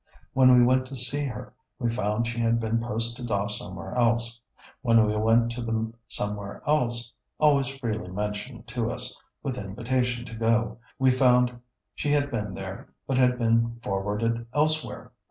When we went to see her, we found she had been posted off somewhere else. When we went to the somewhere else (always freely mentioned to us, with invitation to go), we found she had been there, but had been forwarded elsewhere.